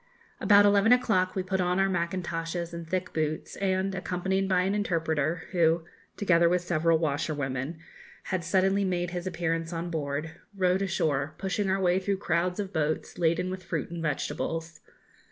About eleven o'clock we put on our mackintoshes and thick boots, and, accompanied by an interpreter, who (together with several washerwomen) had suddenly made his appearance on board, rowed ashore, pushing our way through crowds of boats laden with fruit and vegetables.